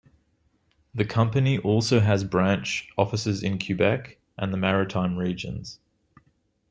The company also has branch offices in Quebec and the Maritime Regions.